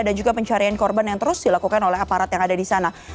dan juga pencarian korban yang terus dilakukan oleh aparat yang ada di sana